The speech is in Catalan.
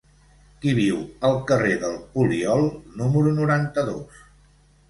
Qui viu al carrer del Poliol número noranta-dos?